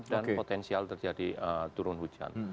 dan potensial terjadi turun hujan